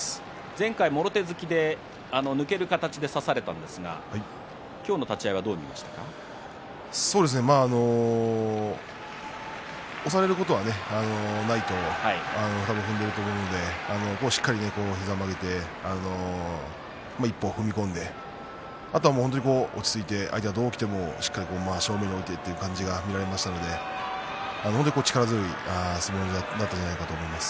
前回はもろ手突きで抜ける形で差されましたが押されることはないと踏んでいると思うのでしっかりと膝を曲げて一歩、踏み込んであとは落ち着いて相手がどうきてもしっかりと正面に置いてという形が見られましたので本当に力強い相撲だったんじゃないかと思います。